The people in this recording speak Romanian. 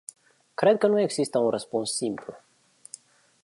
Cred că nu există un răspuns simplu.